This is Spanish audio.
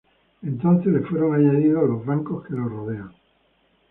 Entonces le fueron añadidos los bancos que la rodean.